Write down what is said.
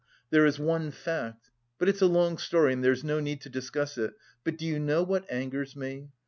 There is one fact.... But it's a long story and there's no need to discuss it. But do you know what angers me?